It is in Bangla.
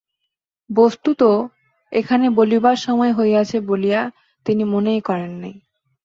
বস্তুত এখনো বলিবার সময় হইয়াছে বলিয়া তিনি মনেই করেন নাই।